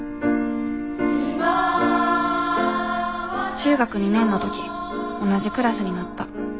中学２年の時同じクラスになった。